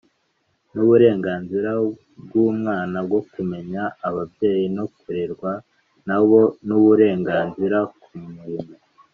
N uburenganzira bw umwana bwo kumenya ababyeyi no kurerwa nabo n uburenganzira ku murimo